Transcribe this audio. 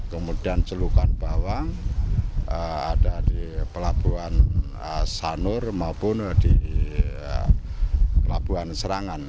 kemudian celukan bawang ada di pelabuhan sanur maupun di pelabuhan serangan